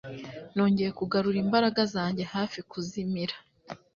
nongeye kugarura imbaraga zanjye hafi kuzimira